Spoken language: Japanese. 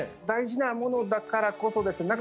大事なものだからこそです。